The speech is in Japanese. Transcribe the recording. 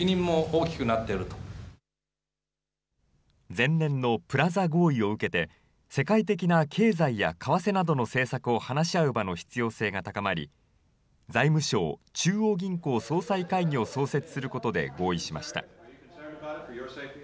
前年のプラザ合意を受けて、世界的な経済や為替などの政策を話し合う場の必要性が高まり、財務相・中央銀行総裁会議を創設することで合意しました。